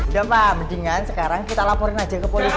udah pak mendingan sekarang kita laporin aja ke polisi